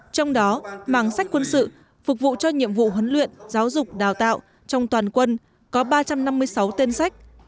trong đó mảng sách quân sự phục vụ cho nhiệm vụ huấn luyện giáo dục đào tạo trong toàn quân có ba trăm năm mươi sáu tên sách